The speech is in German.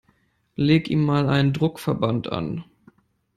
Leg ihm mal einen Druckverband an!